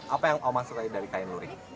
apa yang omah sukai dari kain lurik